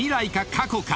過去か？］